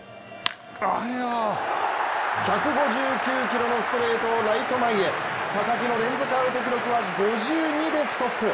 １５９キロのストレートをライト前へ佐々木の連続アウト記録は５２でストップ。